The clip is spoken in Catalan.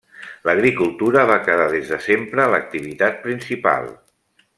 L'agricultura va quedar des de sempre l'activitat principal.